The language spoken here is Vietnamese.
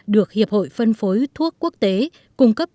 được hiệp hội phân phối thuốc quốc tế cung cấp